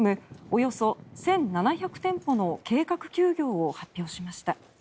およそ１７００店舗の計画休業を発表しました。